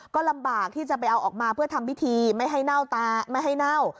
ก็ลำบากที่จะไปเอาออกมาเพื่อทำพิธีไม่ให้เหน้า